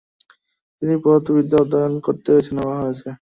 তিনি পদার্থবিদ্যা অধ্যয়ন করতে বেছে নেওয়া হয়েছে।